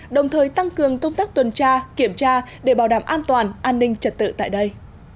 đồng thời tăng cường công tác tuần tra kiểm tra để bảo đảm an toàn an ninh trật tự tại đây